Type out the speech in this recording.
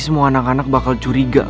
semua anak anak bakal curiga